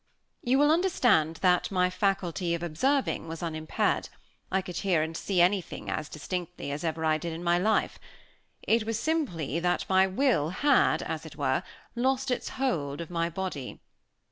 You will understand that my faculty of observing was unimpaired. I could hear and see anything as distinctly as ever I did in my life. It was simply that my will had, as it were, lost its hold of my body.